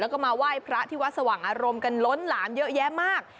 แล้วก็มาไหว้พระที่วัดสว่างอารมณ์กันล้นหลามเยอะแยะมาก